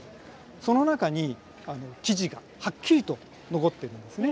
その中に記事がはっきりと残ってるんですね。